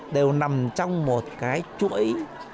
đều nằm trong một cái chuỗi